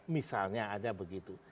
misalnya aja begitu